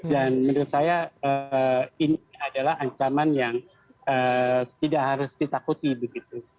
dan menurut saya ini adalah ancaman yang tidak harus ditakuti begitu